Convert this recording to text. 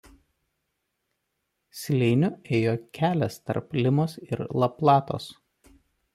Slėniu ėjo kelias tarp Limos ir La Platos.